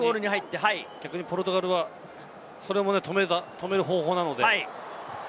逆にポルトガルは、それも止める方法なので。